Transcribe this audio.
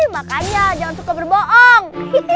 makanya jangan suka berbohong